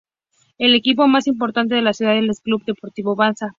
El equipo más importante de la ciudad es el Club Deportivo Baza.